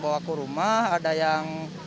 bawa ke rumah ada yang